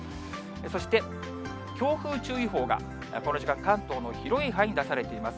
そして、強風注意報がこの時間、関東の広い範囲に出されています。